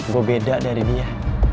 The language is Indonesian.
gue beda dari dia